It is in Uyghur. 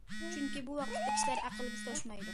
چۈنكى بۇ ۋاقىتتا كىشىلەر ئەقىلگە توشمايدۇ.